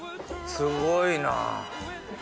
すごいな。